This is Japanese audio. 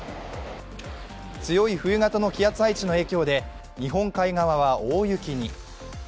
強い冬型の気圧配置の影響で日本海側は大雪に。